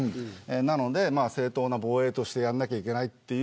なので正当な防衛としてやらなければいけない。